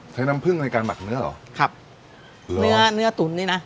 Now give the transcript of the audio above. น้ำผึ้งในการหมักเนื้อเหรอครับเนื้อเนื้อตุ๋นนี่น่ะ